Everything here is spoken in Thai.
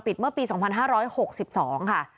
ปิดเมื่อปีสองพันหาร้อยหกสิบสองค่ะ